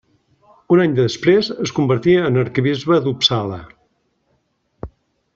Un any després es convertí en arquebisbe d'Uppsala.